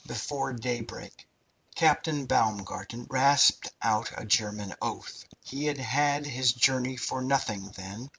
"Before daybreak." Captain Baumgarten rasped out a German oath. He had had his journey for nothing, then.